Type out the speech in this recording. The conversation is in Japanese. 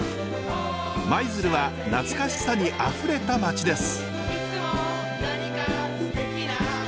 舞鶴は懐かしさにあふれた街です。